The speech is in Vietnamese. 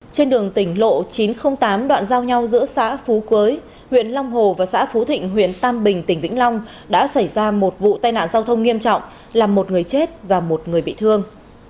trên đường tỉnh lộ chín trăm linh tám đoạn giao nhau giữa xã phú quế huyện long hồ và xã phú thịnh huyện tam bình tỉnh vĩnh long đã xảy ra một vụ tai nạn giao thông nghiêm trọng làm một người chết và một người bị thương